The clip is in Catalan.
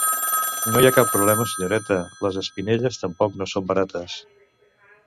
No hi ha cap problema senyoreta, les espinel·les tampoc no són barates.